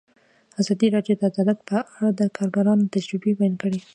ازادي راډیو د عدالت په اړه د کارګرانو تجربې بیان کړي.